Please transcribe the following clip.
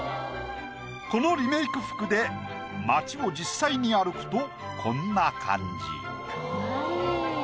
このリメイク服で街を実際に歩くとこんな感じ。